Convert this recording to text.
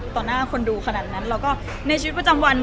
ต่อหน้าคนดูขนาดนั้นในชีวิตประจำวัน